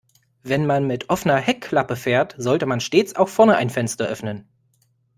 Wenn man mit offener Heckklappe fährt, sollte man stets auch vorne ein Fenster öffnen.